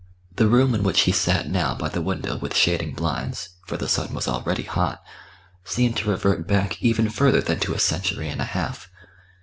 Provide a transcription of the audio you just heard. The room in which he sat now by the window with shading blinds, for the sun was already hot, seemed to revert back even further than to a century and a half.